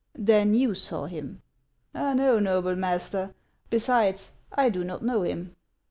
" Then you saw him ?"" No, noble master ; besides, I do not know him."